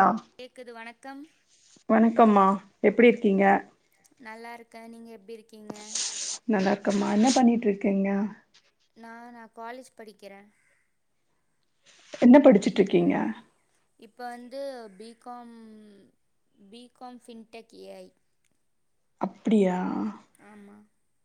ஆ கேக்குது வணக்கம் வணக்கம்மா எப்டி இருக்கீங்க நல்லாருக்கே நீங்க எப்டி இருக்கீங்க நல்லாருக்கம்மா என்ன பண்ணிட்ருக்கீங்க நானா காலேஜ் படிக்கிறே என்ன படிச்சுட்ருக்கீங்க இப்போ வந்து B Com B com fintech A I அப்டியா ஆமா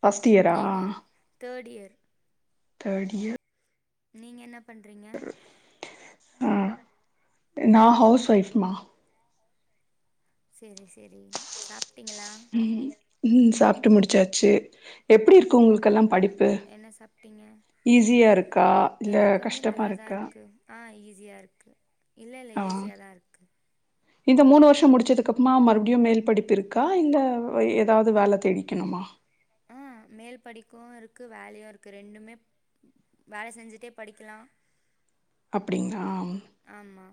ஃபஸ்ட்டியரா நீங்க தேர்ட் இயர் தேர்ட் இயர் நீங்க என்ன பண்றீங்க ஆ நா ஹவுஸ் ஒய்ஃப்மா செரி செரி சாப்ட்டீங்களா ம் ம் சாப்ட்டு முடிச்சாச்சு எப்டி இருக்கு உங்குளுக்கெல்லாம் படிப்பு என்ன சாப்ட்டீங்க ஈஸியாருக்கா இல்ல எனக்கு வந்து கஷ்டமா நல்லா தா இருக்கா இருக்கு ஆ ஈஸியாருக்கு இல்ல இல்ல ஆ ஈஸியாதா இருக்கு இந்த மூனு வருஷோ முடிச்சதுக்கு அப்பமா மறுபடியு மேல் படிப்பு இருக்கா இல்ல எதாவது வேலத் தேடிக்கணுமா ஆ மேல் படிக்கவு இருக்கு வேலயு இருக்கு ரெண்டுமேப் வேல செஞ்சிட்டே படிக்கலா அப்டிங்ளாம் ஆமா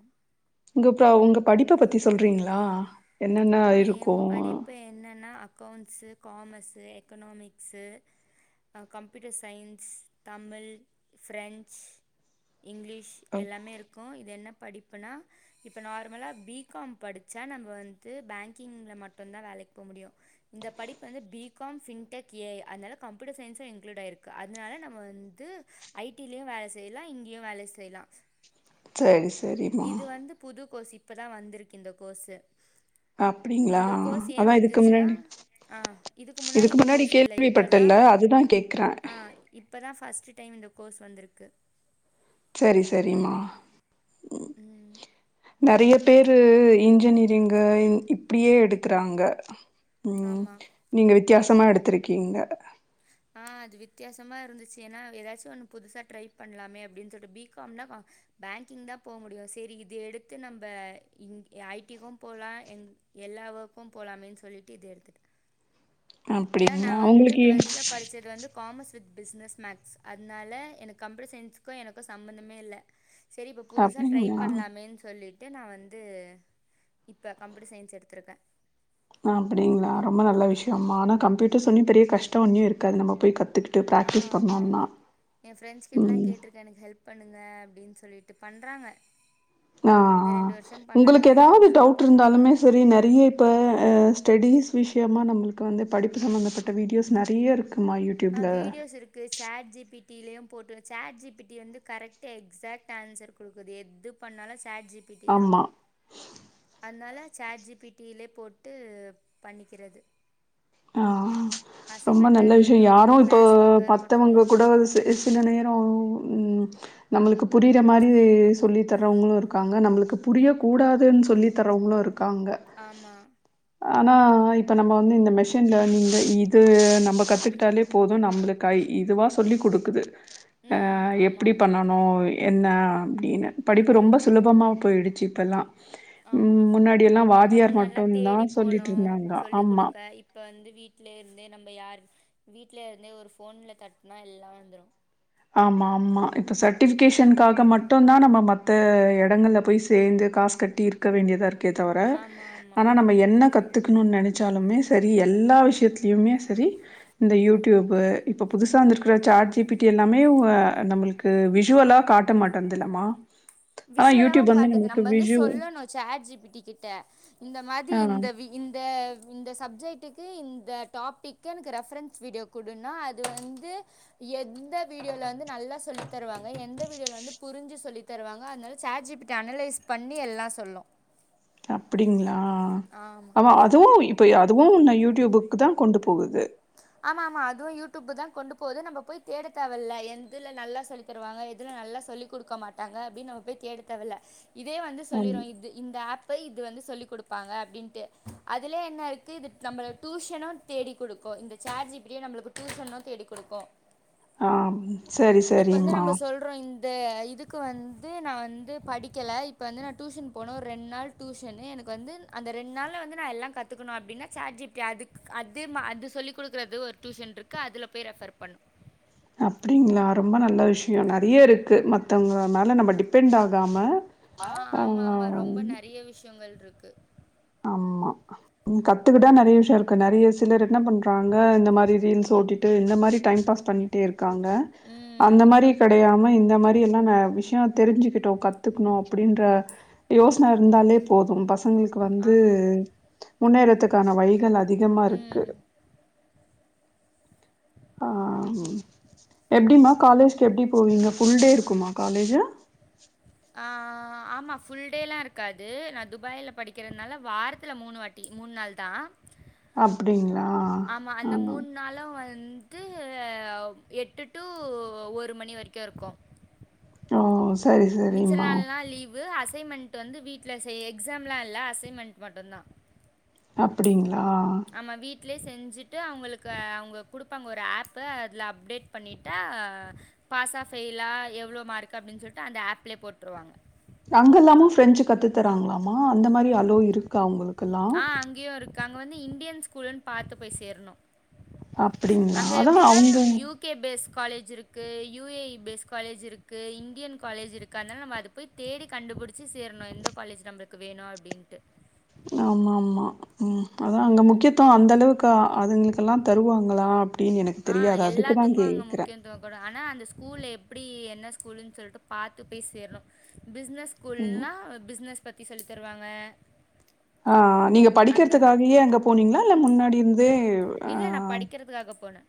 உங்கப் ப்ரவ் உங்கப் படிப்ப பத்தி சொல்றீங்ளா ஆ எம் படிப்பு என்னனா அக் கௌண்ஸு காமர்ஸு எக்கனாமிக்ஸு அ computer science Tamil French English எல்லாமே இருக்கு இது என்னப் படிப்புனா இப்போ நார்மலா பி காம் படிச்சா நம்ம வந் து பேங்கிங்ல மட்டுந்தா வேலைக் போ முடியு இந்த படிப்பு வந்து B com fintech A I அதனால கம்ப்யூட்டர் சயின்ஸு இ்ன்க்ளூட் ஆயிருக்கு அதனால நம்ம வந்து ஐ டி லியு வேல செய்லா இங்கியு வேல செய்லா சரி சரிப் இது வந்து புது கோர்ஸ் இப்பதா வந்திருக்கு இந்த கோர்ஸு அப்டிங்களா இந்த கோர்ஸ் ஏ அதா இதுக்கு வந்துச்சுனா முன்னாடி ஆ இதுக்கு முன்னாடி இந்த கோர்ஸ் இல்ல இப்பதா கேள்விப்பட்டல்ல அதுதா கேக்குறே ஆ இப்பதா ஃபர்ஸ்ட்டு டைம் இந்த கோர்ஸ் வந்திருக்கு சரி சரிமா ம் நெறையப் பேரு இன்ஜினியரிங்கு இன் இப்டியே எடுக்குறாங்க ம் ஆமா நீங்க வித்தியாசமா எடுத்திருக்கீங்க ஆ அது வித்யாசமா இருந்துச்சு எனா எதாச்சு ஒன்னு புதுசா ட்ரைப் பண்லாமே அப்டின் சொல்ட்டு பி காம் னா ஆ பேங்கிங்தா போ முடியு சேரி இது எடுத்து நம்ப இங் ஐ டி க்கும் போலா எங் எல்லா ஒர்க்கும் போலாமேன் சொல்லிட்டு இது எடுத்துட்டே எனா நா‌ அப்டிங்களா வந்து உங்களுக்கு டுவல்த்துல படிச் சது வந்து காமர்ஸ் வித் பிஸ்னஸ் மேக்ஸ் அத்னால எனக்கு கம்ப்யூட்டர் சயின்ஸக்கு எனக்கு சம்பந்தமே இல்ல செரி இப்போ புதுசா ட்ரைப் அப்டிங்களா பண்லாமேன் சொல்லிட் ட்டு நா வந்து இப்ப கம்ப்யூட்டர் சயின்ஸ் எடுத்துருக்கே அப்டிங்ளா ரொம்ப நல்ல விஷ்யம்மா ஆனா கம்ப்யூட்டர்ஸ் சொன்னி பெரிய கஷ்டோ ஒன்னியு இருக்காது நம்ம போய் கத்துட்டு ஆ ஆமா எ ஃப்ரெண்ட்ஸ் கிட்லா ம் கேட்ருக் இது எனக்கு ஹெல்ப் பண்ணுங்க அப்டின்னு சொல்லிட்டு பண்றாங்க ஆ ஆ உங்களுக்கு இந்த ஏதாவது வருஷமும் டவுட் பண்ணுவாங்க இருந்தாலுமே சரி நெறைய ட்ட அ ஸ்டேடிஸ் விஷ்யமா நம்மளுக்கு வந்து படிப்பு சம்மந்தப்பட்ட வீடியோஸ் நெறைய இருக்குமா யூட் ஆ வீடியோஸ் இருக் கு சேட் ஜி பி டி லயும் போட்டு வச்சு சேட் ஜி பி டி வந்து கரெக்ட்டா எக்ஸக்ட் ஆன்சர்க்கு குடுக்குதே எது பண்ணாலு சேட் ஜி பி டி தா ஆமா அதனால சேட் ஜி பி டிலே போட்டு பண்ணிக்கிறது ஆ ரொம்ப அசைன்மெண்ட்டா நல்ல விஷியோ இருக்கட்டு யாரு இப்போ கிளாஸ் ஒர்க்கா இருக்கட்டு பத்தவங்க கூட வருசே ஸ் சில நேரோ ம் நம்மளுக்கு புரியுற மாரி சொல்லித்தர்றவங்களு இருக்காங்க நம்மளுக்கு புரியக் கூடாதுன் சொல்லி தர்றவங்களு இருக் காங்க ஆமா ஆனா இப்ப நம்ம வந்து இந்த மெஷ் டென் லேர்நிங்க இது நம்ம கத்துக்கிட்டாலே போது நம்மளுக்கு ஐ இதுவா சொல்லிக் குடுக்குது ஆ ம் ஆமா எப்படி ஆமா பண்ணணு என்ன அப்டின்னு படிப்பு ரொம்ப ம் சுலபமா போயிடுச்சு இப்பெல்லா ஆமா ம் முன்னாடி எல்லா ஏன்னா வாதியார் முன்னெல்லா மட்டு தா தேடி போனு சொல்லிட்ருந்தாங்க சொல்லி ஆமா குடுக்க இப்ப வந்து வீட்லே இருந்தே நம்ம யார் வீட்லருந்தே ஒரு ஃபோன்ல தட்டுனா எல்லா வந்துரு ஆமா ஆமா இப்ப ம் சர்ட்டிஃபிக்கேஷனுக்காக மட் மட்டும்தா நம்ம மத்த இடங்கள்ல போய் சேந்து காசு கட்டி இருக்க வேண்டியதாருக் க்கே தவர ஆமா ஆமா ஆனா நம்ம என்ன கத் துக்கணுன்னு நெனச்சாலுமே செரி எல்லா விஷயத்துலயுமே செரி இந்த யூடியூப்பு இப்போ புதுசா வந்திருக்கிற சேட் ஜி பி டி எல்லாமே உ அ நம்மளுக்கு விஷுவலா காட்ட மாட்டேன்துலமா ஆனா விஷுவலாவு யூடியூப் வந்து காட்டுது நமக்கு நம்ம வந்து விஜூ சொல்லணு சேட் ஜி பி டி கிட்ட இந்த மாதி ஆ இந்த வீ இந்த இந்த சப்ஜெக்டுக்கு இந்த டாபிக்கு எனக்கு ரெஃபரன்ஸ் வீடியோ குடுனா அது வந்து எந்த வீடியோல வந்து நல்லா சொல்லி தருவாங்க எந்த வீடியோல வந்து புரிஞ்சி சொல்லித் தருவாங்க அதனால சேட் ஜி பிட்ட அனலைஸ் பண்ணி எல்லா சொல்லு அப்டிங்ளா ஆமா அவன் அதுவு இப்பை அதுவு நா யூடியூபுக்கு தா கொண்டு போகுது ஆமா ஆமா அதுவு யூடியூப்பு தா கொண்டு போது நம்ம போய் தேட தேவையில்ல எந்துல்ல நல்லா சொல்லி தருவாங்க எதுல நல்லா சொல்லிக் குடுக்க மாட்டாங்க அப்டின்னு நம்ம போய் தேட தேவல்ல இதே வந்து அம் சொல்லிரு இது இந்த ஆப்பை இது வந்து சொல்லி் குடுப்பாங்க அப்டின்ட்டு அதிலே என்ன இருக்கு இதுட் நம்பள டியூஷனுன் தேடி குடுக்கு இந்த சேட் ஜி பி டியே நம்பளுக்கு டியூசன்னு தேடிக் குடுக்கு ஆம் செரி செரிம்மா ப்றோ இந்த இதுக்கு வந்து நா வந்து படிக்கல இப்ப வந்து நா டியூஷன் போனோ ஒரு ரெண் நாள் டியூஷன்னு எனக்கு வந்துன் அந்த ரெண் நாள்ல வந்து நா எல்லா கத்துக்கணு அப்டின்னா சேட் ஜி பி டி அதுக்கு அதுமா அது சொல்லிக் குடுக்குறது ஒரு டியூஷன்ருக்கு அதுல போய் ரெஃபர் பண்ணு அப்டிங்ளா ரொம்ப நல்ல விஷியோ நறைய இருக்கு மத்தவங்க மேல நம்ம டிப் பெண்ட் ஆகாம ஆ, ஆ ஆமாம் ஆஆஆ ஆமாம் ரொம்ப நிறைய விஷயங்கள்ருக்கு ஆமா ம் கத்துக்கிட்டா நெறைய விஷியோ இருக்கு நெறைய ஸ் சிலர் என்ன பண்றாங்க இந்த மாரி ரீல்ஸ் ஓட்டிட்டு இந்த மாரி டைம் பாஸ் பண்ணிட்டே இருக்காங்க அந்த ம் மாரி கெடையாம இந்த மாரி எல்லா ந விஷியோ தெரிஞ்சுக்கிட்டோ கத் கத்துக்கணும் அப்டின்ற யோசனை இருந்தாலே போதும் பசங்களுக்கு வந்து ஆமாம் முன்னேறத்துக்கான வலிகள் அதிகமா இருக்கு ம் ஆ எப்டிமா காலேஜ்க்கு எப்டி போவீங்க ஃபுல் டே இருக்குமா காலேஜ் ஆ ஆமா புல் டேல்லாம் இருக்காது நான் துபாயில படிக்கிறதுனால வாரத்துல மூணு வாட்டி டி மூணு நாள் தான் அப்டிங்களா ஆ கால்ல வந்து எட்டு டு ஒரு மணி வரைக்கும் இருக்கும் ஓ சரி மிச்ச சரிம்மா நாள்ல்லாம் லீவு அசைன்மெண்ட் வந்து வீட்ல செ எக்ஸாம்லா இல்ல அசைன்மெண்ட் மட்டும்தான் அப்டிங்களா நம்ம வீட்லே செஞ்சுட்டு அவங்களுக்கு அவங்க கொடுப்பாங்க ஒரு ஆப்பு அதில் அப்டேட் பண்ணிவிட்டா பாஸா ஃப்யிலா எவ்ளோ மார்க் அப்டினு சொல்லிட்டு அந்த ஆப்லயே போட்ருவாங்க அங்க இல்லாமும் பிரெஞ்சு கத்து தராங்களாமா அந்த மாதிரி அவ்ளோ இருக்கா அவங்களுக் ஆ அங்கேயும் இருக்கு அங்க வந்து இந்தியன் ஸ்கூல்ன்னு பாத்து போய் சேரணும் அப்டிங்களா அங்க அதா எப்டின்னா அவங்க யூத் கே பேஸ் காலேஜ் இருக்கு U A I base college இருக்கு இந்தியன் காலேஜ் இருக்கு அதனால நம்ம அது போய் தேடி கண்டுபிடிச்சி சேரணும் எந்த காலேஜ் நம்பளுக்கு வேணும் அப்டின்ட்டு ஆமா ஆமா ம் அதான் அங்க ம் முக்கியத்துவம் அந்த அளவுக்கு அதுங்களுக்கெல்லாம் தருவாங்களா அப்டின்னு எனக்கு தெரியாது அதுக்குதான் கேக்கிறேன் ஆனா அந்த ஸ்கூல் எப்டி என்ன ஸ்கூல்னு சொல்லிட்டு பாத்து போய் சேரணும் பிசினஸ் ம் ஸ்கூல்னா பிஸ்னஸ் பத்தி சொல்லி தருவாங்க ஆ நீங்க அந்த மாதிரி படிக்கிறதுக்காகயே அங்க போனீங்களா இல்ல முன்னாடிருந்தே இல்லை நான் படிக்கிறதுக்காக போனேன்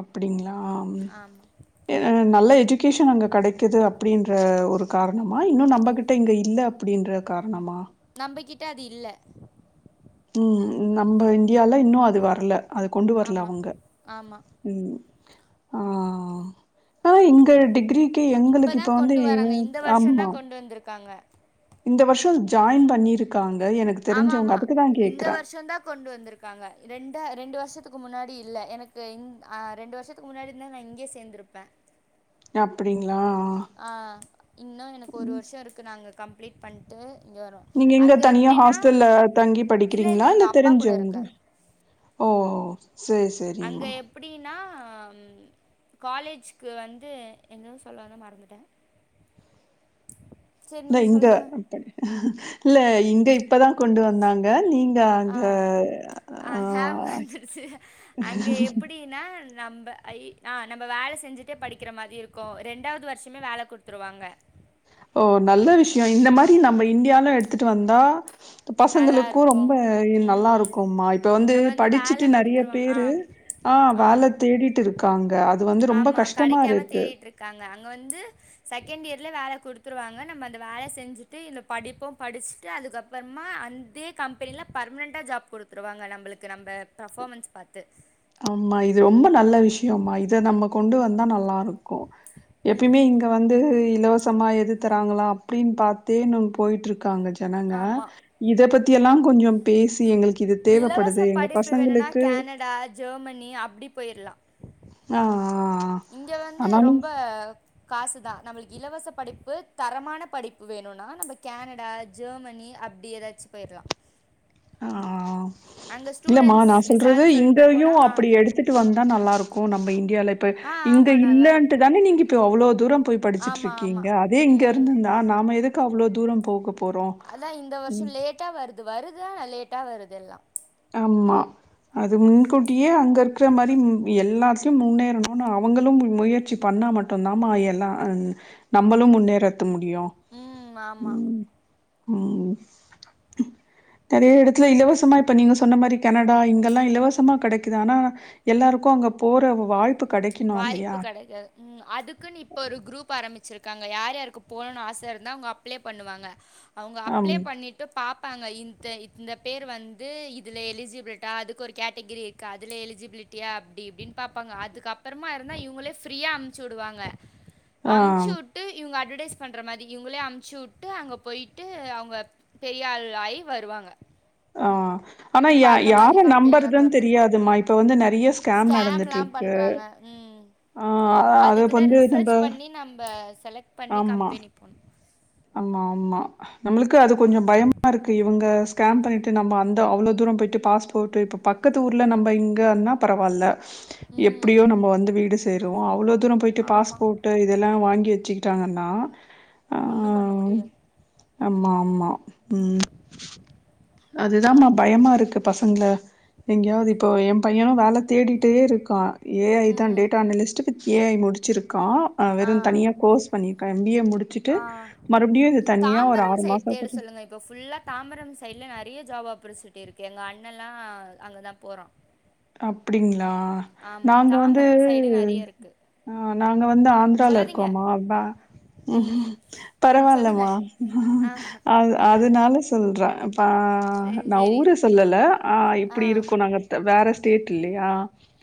அப்டிங்ளா ஆமா ஆமாம் நல்ல எஜுகேஷன் அங்க கெடைக்கிது அப்டீன்ற ஒரு காரணமா இன்னு நம்மகிட்ட இங்க இல்ல அப்டீன்ற காரணமா நம்பகிட்ட அது இல்ல ம் நம்ப இந்தியால இன்னூ அது வர்ல அது கொண்டு வர்ல ஆமாம் அங்க ஆமாம் ம் ஆ ஆ இங்க டிகிரி கே இப்போ எங்களுக்கு இப்ப தான் வந்து கொண்டு வராங்க இந்த ஆமா வருஷம்தான் கொண்டு வந்துருக்காங்க இந்த வர்ஷோ ஜாயின் பண்ணீருக்காங்க எனக் ஆமாமா இந்த வருஷோதா கொண்டு வந்திருக்காங்க ரெண்டா ரெண்டு வர்ஷத்துக்கு முன்னாடி இல்ல எனக்கு அ ரெண்டு வருஷத் துக்கு முன்னாடிந்தா நா இங்கயே சேந்திருப்பே அப்டிங்களா ஆ இன்னு எனக்கு ஒரு வர்ஷோ இருக்குனாங்க கம்ப்ளீட் பண்ட்டு இங்க வரே நீங்க எங்க தனியா ஹாஸ்டல்ல தங்கி இல்லை இல்லை படிக்கிறீங்ளா இல்ல எங்கள் அப்பா கூட தெரிஞ்சவங்க இருக்கேன் ஓ சேரி செ அங்க எப் அப்டீன்னா காலேஜ்க்கு வந்து என்னமோ சொல்ல வந்தே மறந்துட்டே ந்த நீங்கள் இந்த சொல்லுங்கள் இல்ல இங்க இப்பதா கொண்டு வந்தாங்க நீங்க ஆ ஆ ஞாபகோ ஆ வந்துருச்சு அங்க எப்டி டீனா நம்ப ஐ அ நம்ப வேல செஞ்சுட்டே படிக்கிற மாரி இருக்கு ரெண்டாவது வர்ஷமே வேல குத் துருவாங்க ஓ நல்ல விஷ்யோ இந்த மாரி நம்ம இண்டியால எடுத்துட்டு வந்தா பசங்களுக்கு நல்லாருக்கு ரொம்ப நல்லா ம் இருக்கும்மா இப்ப வந்து நம்ம வேல படிச்சுட்டு நெறைய குடுத்துருவா ஆ பேரு ஆ வேல தேடிட்டு இருக்காங்க அது வந்து ரொம்ப கஷ்டமா இருக்கு. க்காங்க அங்க வந்து செகண்ட் இயர்ல வேல குடுத்துருவாங்க நம்ம அந்த வேல செஞ்சுட்டு இந்த படிப்பு படுச்ட்டு அதுக்கப் றமா அந்தே கம்பெனில பர்மனன்டா ஜாப் குடுத்துருவாங்க நம்ளுக்கு நம்ம பர்ஃபாமன்ஸ் பாத்து ஆமா இது ரொம்ப நல்ல விஷ்யோம்மா இத நம்ம கொண்டு வந்தா நல்லாருக் கு எப்பயுமே ம் இங்க வந்து இலவ சமா எது தராங்களா அப்டின் பாத்தே இன்னு போய்ட்ருக்காங்க ஜனங்க ஆமா இத பத்தி எல்லா கொஞ்சோ பேசி எங்ளுக்கு இது இலவச தேவப்படுது எங்க படிப்பு வேணும்னா பசங்களுக்கு கனடா ஜெர்மனி அப்டி போயிர்லா ஆ ஆ ஆமா இங்க வந்து ரொம்ப காசுதா நம்ளுக்கு இலவச படிப்பு தரமான படிப்பு வேணுனா நம்ப கேனடா ஜெர்மனி அப்டி ஏதாச்சு போயிர்லா ஆ இல்லமா ஸ்டூடெண்ட்ஸ் நா சொல்றது விசான்னு சொல்லிட்டு இங்கயூ போனால் ஆ அப்டி எடுத் த்துட்டு வந்தா நல்லா இருக்கு நம்ம இண்டியால ப்ப ஆ இங்க ஆமாம் நல்லாயிருக்கும் இல்லேன்டுதான நீங்க இப்ப அவ்ளோ தூரோ போய் ஆமாம் படிச்சுட்டிருக்கீங்க. ஆமாம் அதே இங்க ம் இருந்திருந்தா நாம எதுக் கு அவ்ளோ தூரோ போக போறோ அதா இந்த வர்ஷோ லேட்டா வருது வருது ஆனா லேட்டா வருது எல்லா ஆம்மா அது முன்கூட்டியே அங்க இருக்ற மாரி எல்லாத்லியு முன்னேறணுனு அவங்களும் முயற்சி பண்ணா மட் மாட்டும் டு்ந்தாமா எல்லா நம்மளு முன்னேறத்த முடியு ம் ஆமாம் ம் ம் நெறய எடத்துல இலவசமா இப் இப்ப நீங்க சொன்ன மாரி கெனடா இங்கல்லா இலவசமா கெடைக்குது. ஆனா எல்லாருக்கு அங்க போற வாய்ப்பு கெடைக்கணும் இல்லையா? வாய்ப்பு கெடைக்கா ம் அதுக்குன்னு இப்ப ஒரு குரூப் ஆரம்பிச்சிருக்காங்க யார் யார்க்கு போணும்னு ஆச இருந்தா அவங்க அப்ளை பண்ணுவாங்க அவங்க அம். அப்ளை பண்ணிட் ன்டு பாப்பாங்க இந்த இந்த பேர் வந்து இதுல எலிஜிபிலிட்டா அதுக்கு ஒரு கேட்டகிரி கு அதுல எலிஜிபிலிட்டியா அப்டி இப்டின்னு பாப்பாங்க அதுக் அப் றமா இருந்தா இவங்களே ஃபிரீயா அமுச்சு விடுவாங்க ஆ, அமுச்சு வுட் டு இவங்க அட்வடைஸ் பண்ற மாரி இவங்களே அமுச்சு வுட்டு அங்க போயிட்டு அவங்க பெரியாள் ஆயி வருவாங்க ஆ ஆனா இப்ப ய அந்த யார மாரி கம்பெனிலாம் நம்பரதன்னு தெரியாதுமா இப்ப வந்து நெறைய ஸ்கேம் நடந் லாம் பண்றாங்க ம் ஆ அது அதுக்குதா வந்து ரிசர்ச் நம்ப பண்ணி நம்ம செலக்ட் பண்ணி ஆமா. கம்பெனி போணு ஆமா ஆமா நம்ளுக்கு அது கொஞ்ச பயமா இருக்கு இவங்க ஸ்கேம் பண்ணிட்டு நம்ம அந்த அவ்ளோ தூர போய்ட்டு பாஸ்போர்டு இப்ப பக்கத்து ஊர்ல நம்ம இங்கன்னா பரவால்ல பரவாயில்ல ம் எப்டியோ நம்ம வந்து வீடு சேருவோ அவ்ளோ தூர போய்ட்டு ஆமா பாஸ்போர்ட் டு இதெல்லா வாங்கி வச்சுக்கிட்டாங்கன்னா ஒன்னும் பண்ண மு ம் ஆமா ஆமா ம் அதுதான்மா பயமா இருக்கு பசங்ள எங்கயாவது இப்போ என் பையனு வேல தேடிகிட்டே இருக்கா ஏ ஐ தா ம் டேட்டா அனலிஸ்ட்டு இப்போ ஏ ஐ முடிச்சிருக்கா அ ஆ வெறு தனியா கோர்ஸ் பண்ணியிருக்கா எம் பி ஏ முடிச்சுட்டு ஆ மறுபடியு இது தனிய ஒரு தாம்பரம் ஆறு சைடு மாச தேட சொல்லுங்க இப்போ ஃபுல்லா தாம்பரம் சைட்ல நெறைய ஜாப் ஆப்பர்ச்சுனிட்டி இருக்கு எ அண்ணெல்லா அங்கதா போகறோ அப்டிங்களா ஆமா நாங்க வந்து தாம்பரம் சைடு நெறைய இருக்கு ஆ நாங்க வந்து ஆந்தரால சொல்லாதீங்க இருக்கோமா அதா ம் பரவால்லமா ஆ அ அதனால சொ சொல்ற பா சேரி நா சேரி ஊர சொல்லல ஆ இப்டி இருக்கு நாங்க த வேற இல்லயா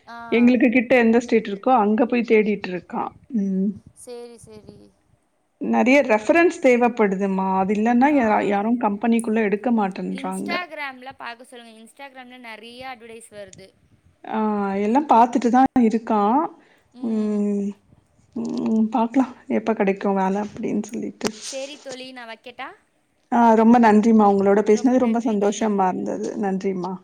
ஆ எங்களுக்கு கிட்ட எந்த ஸ்டேட் இருக்கோ அங்க போய் தேடிட்ருக்கா ம் சேரி சேரி நெறைய ரெஃபரன்ஸ் தேவைப்படுதுமா அது இல்லன்னா யா ஆ யாரு கம்பெனிக்குள்ள எடுக்க மாட்டன்றாங்க பாக்க சொல்லுங்க இன்ஸ்டாகிராமில நெறையா அட்வெடைஸ் வருது ஆ எல்லா பாத்துட்டுதா இருக்கா ம் ம் பாக்கலா எப்போ கெடைக்கு வேல அப்டின் சொல்லிட்டு சேரி தோழி நா வைக்கட்டா ஆ ரொம்ப நன்றிமா உங்களோட பேசினது ரொம்ப நன்றி தோழி சந்தோஷம்மா இருந்தது நன்றிம்மா